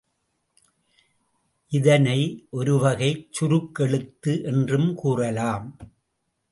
இதனை ஒருவகைச் சுருக்கெழுத்து என்றும் கூறலாம்.